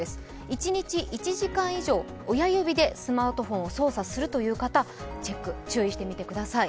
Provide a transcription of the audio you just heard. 一日１時間以上、親指でスマートフォンを操作するという方、チェックしてください。